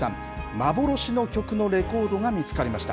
幻の曲のレコードが見つかりました。